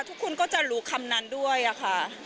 ทุกคนก็จะรู้คำนั้นด้วยค่ะ